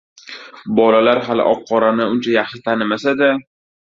Bolalar hali oq-qorani uncha yaxshi tanimasa-da